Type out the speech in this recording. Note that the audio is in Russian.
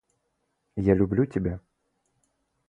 Я люблю тебя.